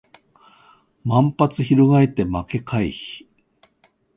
万発捲って負け回避